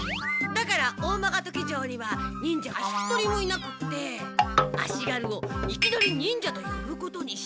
だからオーマガトキ城には忍者が一人もいなくって足軽をいきなり忍者とよぶことにしたり。